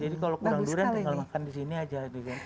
jadi kalau kurang durian tinggal makan di sini aja